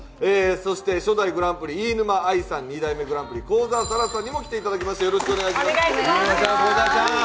初代グランプリ、飯沼愛さん、２代目グランプリ、幸澤沙良さんにも来ていただきました。